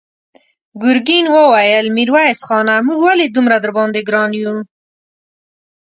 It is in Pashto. ګرګين وويل: ميرويس خانه! موږ ولې دومره درباندې ګران يو؟